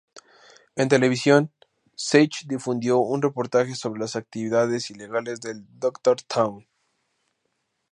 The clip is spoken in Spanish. En televisión, Sage difundió un reportaje sobre las actividades ilegales del Dr. Twain.